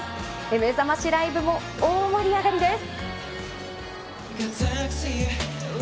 めざましライブも大盛り上がりです。